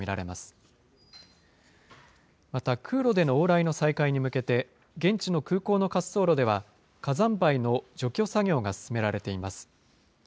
また空路での往来の再開に向けて、現地の空港の滑走路では火山灰の除去作業が進められています。